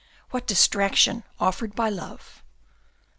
What distraction offered by love.